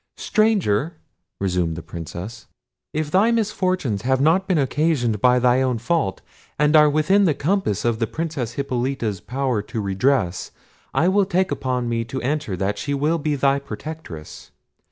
—Stranger," resumed the Princess, "if thy misfortunes have not been occasioned by thy own fault, and are within the compass of the Princess Hippolita's power to redress, I will take upon me to answer that she will be thy protectress.